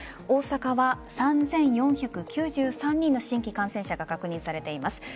大阪は３４９３人の新規感染者が確認されています。